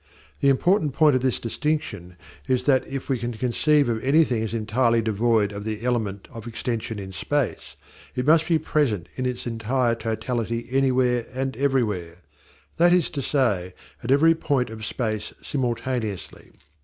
The important point of this distinction is that if we can conceive of anything as entirely devoid of the element of extension in space, it must be present in its entire totality anywhere and everywhere that is to say, at every point of space simultaneously.